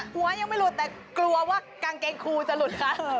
หัวยังไม่หลุดแต่กลัวว่ากางเกงครูจะหลุดแล้ว